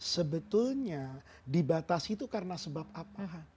sebetulnya dibatasi itu karena sebab apa